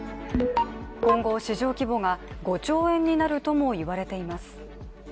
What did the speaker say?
今後市場規模が５兆円になるとも言われています。